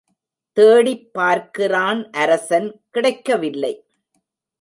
தேடிப்பார்க்கிறான் அரசன் கிடைக்கவில்லை.